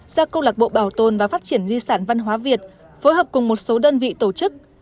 do câu lạc bộ bảo tồn và phát triển di sản văn hóa việt phối hợp cùng một số đơn vị tổ chức